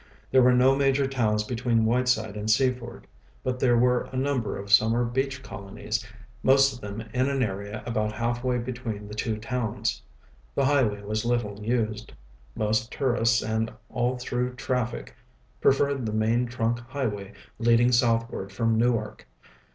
There were no major towns between Whiteside and Seaford, but there were a number of summer beach colonies, most of them in an area about halfway between the two towns. The highway was little used. Most tourists and all through traffic preferred the main trunk highway leading southward from Newark.